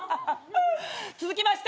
続きまして。